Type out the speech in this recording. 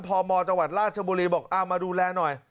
พมจังหวัดราชบุรีบอกเอามาดูแลหน่อย